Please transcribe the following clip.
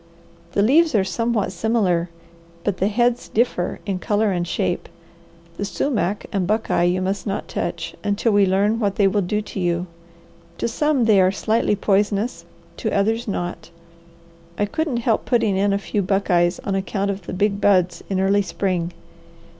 The leaves are somewhat similar, but the heads differ in colour and shape. The sumac and buckeye you must not touch, until we learn what they will do to you. To some they are slightly poisonous, to others not. I couldn't help putting in a few buckeyes on account of the big buds in early spring.